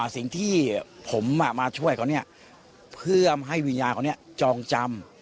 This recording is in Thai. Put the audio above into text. สิ่งที่ผมมาช่วยเขาเนี่ยเพื่อให้วิญญาณเขาจองจำ